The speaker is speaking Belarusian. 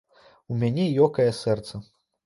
У мяне ёкае сэрца.